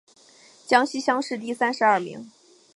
江西乡试第三十二名。